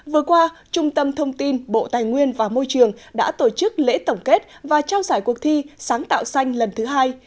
vừa qua trung tâm thông tin bộ tài nguyên và môi trường đã tổ chức lễ tổng kết và trao giải cuộc thi sáng tạo xanh lần thứ hai